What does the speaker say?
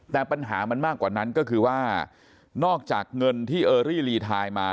แต่ปัญหามันมากกว่านั้นก็คือว่านอกจากเงินที่เออรี่รีไทนมา